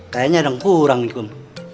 kayaknya ada yang kurang ya kom